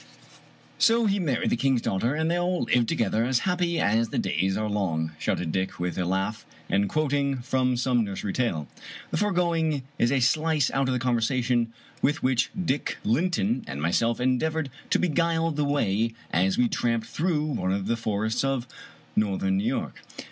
" 48 FUzjames O^Brien " So he married the king's daughter, and they all lived together as happy as the days are long/' shouted Dick with a laugh, quoting from some nursery tale. The foregoing is a slice out of the conversation with which Dick Linton and myself endeavored to beguile the way, as we tramped through one of the forests of north cm New York.